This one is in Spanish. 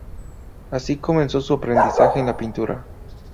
Así comenzó su aprendizaje en la pintura.